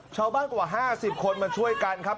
ชาวบ้านกว่า๕๐คนมาช่วยกันครับ